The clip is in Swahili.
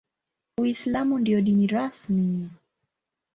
Uislamu ndio dini rasmi.